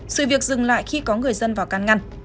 sự việc dừng lại khi có người dân vào can ngăn